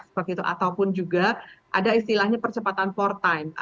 seperti itu ataupun juga ada istilahnya percepatan port time